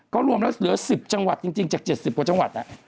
ก็รวมแล้วเหลือ๑๐จังหวัดจริงจาก๗๐กว่าจังหวัด